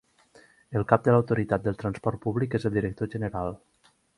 El cap de l'Autoritat del Transport Públic és el director general.